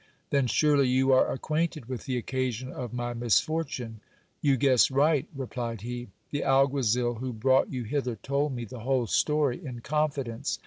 Then surely you are acquainted with the oc casion of my misfortune. You guess right, replied he. The alguazil who brought you hither told me the whole story in confidence.